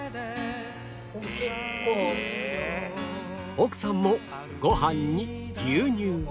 奥さんもご飯に牛乳